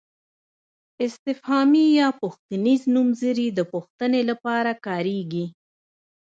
استفهامي یا پوښتنیز نومځري د پوښتنې لپاره کاریږي.